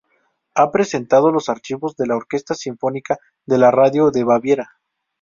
Ha presentado los archivos de la Orquesta Sinfónica de la Radio de Baviera.